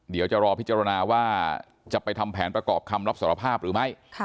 เดี๋ยวจะรอพิจารณาว่าจะไปทำแผนประกอบคำรับสารภาพหรือไม่